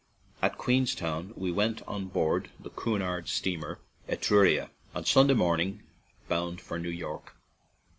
At Queenstown we went on board the Cunard steamer Etruria, on Sunday morn ing, bound for New York.